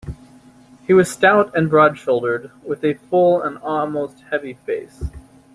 He was stout and broad-shouldered, with a full and almost heavy face.